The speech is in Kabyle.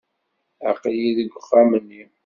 Aql-iyi deg uxxam-nni.